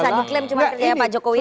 gak bisa diklaim cuma kerja pak jokowi aja